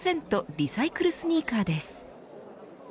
リサイクルスニーカーです。